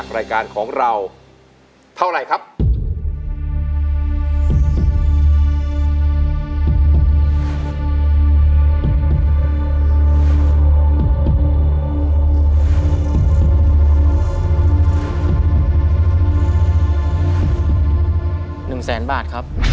๑แสนบาทครับ๑แสนบาท